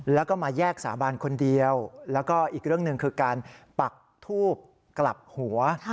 แล้วก็มาแยกสาบานคนเดียวแล้วก็อีกเรื่องหนึ่งคือการปักทูบกลับหัว